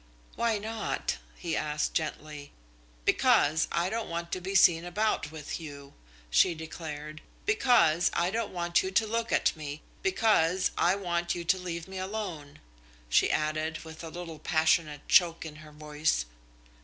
"Why not?" he asked gently. "Because I don't want to be seen about with you," she declared, "because I don't want you to look at me, because I want you to leave me alone," she added, with a little passionate choke in her voice.